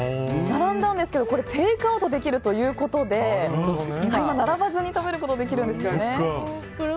並んだんですけどテイクアウトできるということで並ばずに今は食べられるんですね。